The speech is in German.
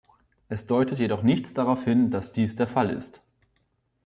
Es deutet jedoch nichts darauf hin, dass dies der Fall ist.